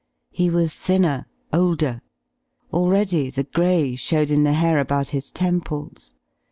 He was thinner, older. Already the gray showed in the hair about his temples.